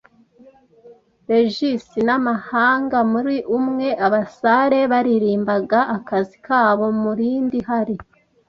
rigs n'amahanga. Muri umwe, abasare baririmbaga akazi kabo, murindi hari